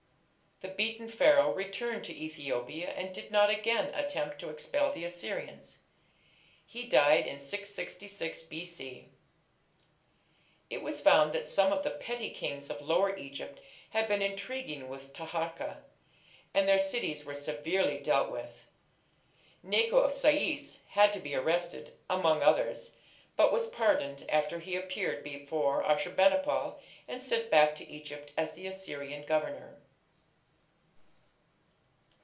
The beaten Pharaoh returned to Ethiopia and did not again attempt to expel the Assyrians. He died in 666 B.C. It was found that some of the petty kings of Lower Egypt had been intriguing with Taharka, and their cities were severely dealt with. Necho of Sais had to be arrested, among others, but was pardoned after he appeared before Ashur bani pal, and sent back to Egypt as the Assyrian governor.